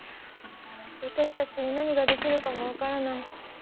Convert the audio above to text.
わたしたちに何ができるかも分からない。